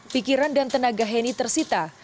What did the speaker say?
pikiran dan tenaga heni tersita